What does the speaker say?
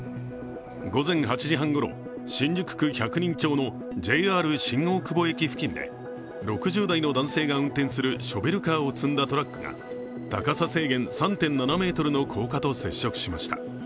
午前８時半ごろ、新宿区百人町のＪＲ新大久保駅付近で６０代の男性が運転するショベルカーを積んだトラックが高さ制限３．７ｍの高架と接触しました。